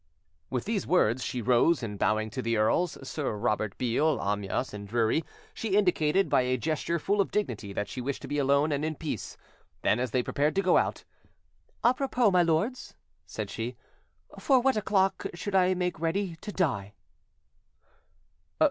With these words, she rose, and, bowing to the earls, Sir Robert Beale, Amyas, and Drury, she indictated, by a gesture full of dignity, that she wished to be alone and in peace; then, as they prepared to go out— "Apropos, my lords," said she, "for what o'clock should I make ready to die?"